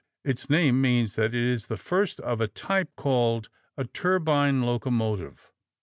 Its name means that it is the first of a type called a turbine locomotive.